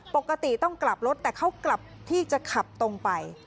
ปกติต้องกลับรถแต่เขากลับที่จะขับตรงไป